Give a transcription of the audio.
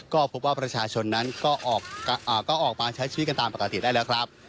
ก็พบว่าประชาชนนั้นก็ออกมาใช้ชีวิตกันตามปกติได้แล้วครับ